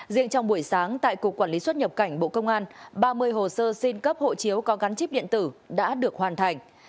riêng trong buổi sáng tại cục quản lý xuất nhập cảnh bộ công an ba mươi hồ sơ xin cấp hộ chiếu có gắn chip điện tử đã được hoàn thành